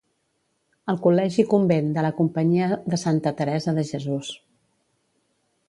El Col·legi-convent de la Companyia de Santa Teresa de Jesús.